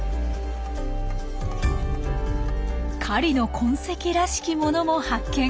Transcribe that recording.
狩りの痕跡らしきものも発見。